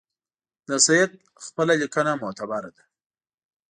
د سید خپله لیکنه معتبره ده.